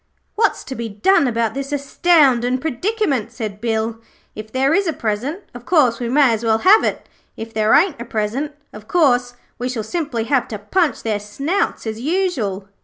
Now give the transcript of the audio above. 'What's to be done about this astoundin' predicament?' said Bill. 'If there is a present, of course we may as well have it. If there ain't a present, of course we shall simply have to punch their snouts as usual.'